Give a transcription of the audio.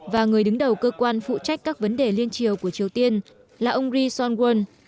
và người đứng đầu cơ quan phụ trách các vấn đề liên triều của triều tiên là ông ri son won